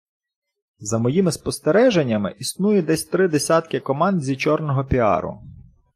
За моїми спостереженнями, існує десь три десятки команд зі чорного піару.